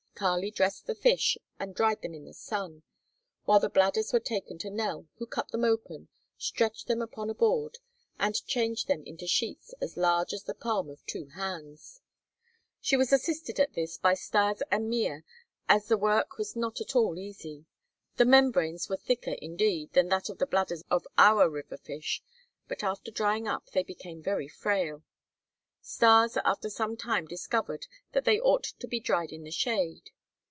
Kali dressed the fish and dried them in the sun, while the bladders were taken to Nell, who cut them open, stretched them upon a board, and changed them into sheets as large as the palms of two hands. She was assisted at this by Stas and Mea, as the work was not at all easy. The membranes were thicker, indeed, than that of the bladders of our river fish, but after drying up they became very frail. Stas after some time discovered that they ought to be dried in the shade.